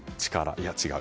いや違う。